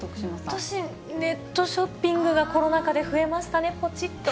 私、ネットショッピングがコロナ禍で増えましたね、ぽちっと。